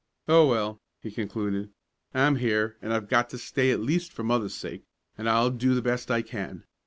"Oh, well!" he concluded. "I'm here, and I've got to stay at least for mother's sake, and I'll do the best I can.